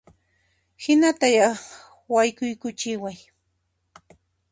Hinata ya, haykuykuchiway